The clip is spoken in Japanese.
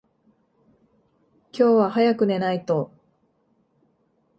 今日は早く寝ないと。